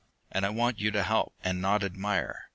And I want you to help, and not admire.